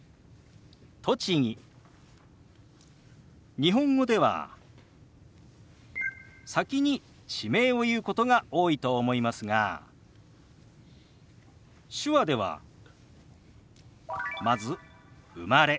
日本語では先に地名を言うことが多いと思いますが手話ではまず「生まれ」。